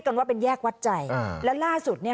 มันไม่สามารถใช้การได้